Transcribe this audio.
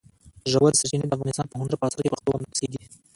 ژورې سرچینې د افغانستان په هنر په اثار کې په ښه توګه منعکس کېږي.